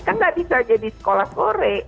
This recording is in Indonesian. kan nggak bisa jadi sekolah sore